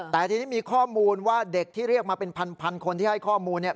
แต่ทีนี้มีข้อมูลว่าเด็กที่เรียกมาเป็นพันคนที่ให้ข้อมูลเนี่ย